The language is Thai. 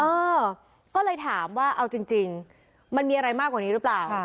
เออก็เลยถามว่าเอาจริงมันมีอะไรมากกว่านี้หรือเปล่า